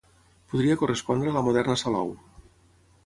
Podria correspondre a la moderna Salou.